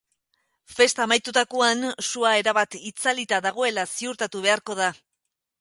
Festa amaitutakoan, sua erabat itzalita dagoela ziurtatu beharko da.